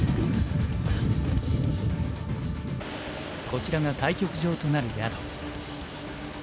こちらが対局場となる宿。